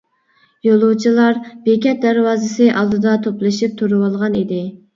يولۇچىلار بېكەت دەرۋازىسى ئالدىدا توپلىشىپ تۇرۇۋالغان ئىدى.